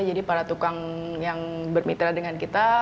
jadi para tukang yang bermitra dengan kita